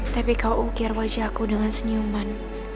tapi kau ukir wajahku dengan senyuman